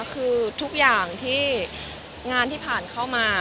คือทุกอย่างที่งานที่ผ่านเข้ามา